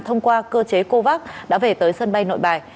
thông qua cơ chế covax đã về tới sân bay nội bài